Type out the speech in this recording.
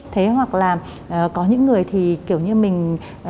thế hoặc là có những người thì kiểu như mình